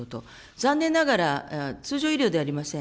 残念ながら、通常医療ではありません。